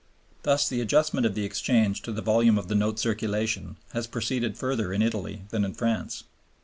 Thus the adjustment of the exchange to the volume of the note circulation has proceeded further in Italy than in France.